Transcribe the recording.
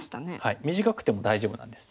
短くても大丈夫なんです。